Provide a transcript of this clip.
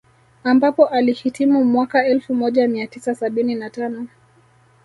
Ambapo alihitimu mwaka elfu moja mia tisa sabini na tano